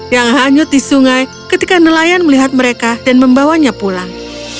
yang hanyut di sungai ketika nelayan melihat mereka dan membawanya pulang